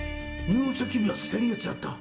入籍日は先月やった。